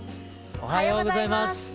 おはようございます。